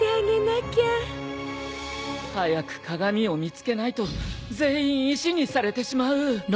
早く鏡を見つけないと全員石にされてしまう。